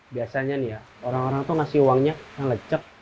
biasanya nih ya orang orang tuh ngasih uangnya yang lecek